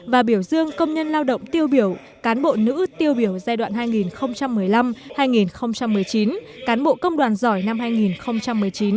và biểu dương công nhân lao động tiêu biểu cán bộ nữ tiêu biểu giai đoạn hai nghìn một mươi năm hai nghìn một mươi chín cán bộ công đoàn giỏi năm hai nghìn một mươi chín